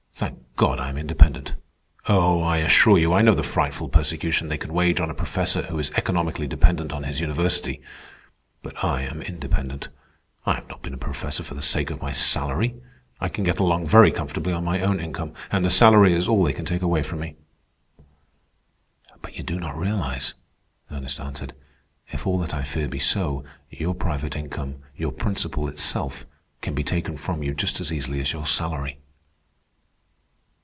"Thank God I am independent. Oh, I assure you, I know the frightful persecution they can wage on a professor who is economically dependent on his university. But I am independent. I have not been a professor for the sake of my salary. I can get along very comfortably on my own income, and the salary is all they can take away from me." "But you do not realize," Ernest answered. "If all that I fear be so, your private income, your principal itself, can be taken from you just as easily as your salary."